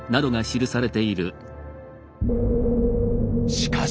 しかし。